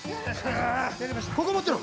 ここ持ってろ。